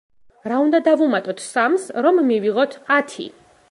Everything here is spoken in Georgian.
რა უნდა დავუმატოთ სამს, რომ მივიღოთ ათი?